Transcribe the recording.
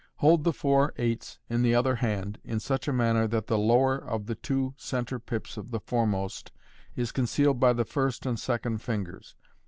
Hold the four eights in the other hand in such manner that the lower of the two centre pips of the foremost is concealed by the first and second fingers.